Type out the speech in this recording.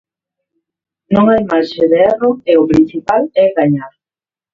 Non hai marxe de erro e o principal é gañar.